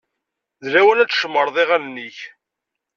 D lawan ad tcemmṛeḍ iɣallen-ik.